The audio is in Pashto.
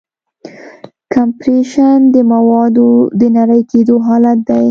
کمپریشن د موادو د نری کېدو حالت دی.